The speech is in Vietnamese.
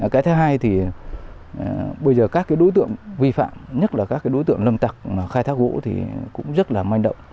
cái thứ hai bây giờ các đối tượng vi phạm nhất là các đối tượng lâm tặc khai thác gỗ cũng rất manh động